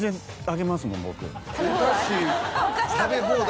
食べ放題？